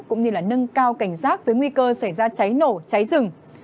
cũng như là nâng cao cảnh giác với nguy cơ xảy ra cháy nổ cháy rừng